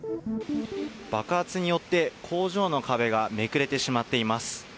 爆発によって工場の壁がめくれてしまっています。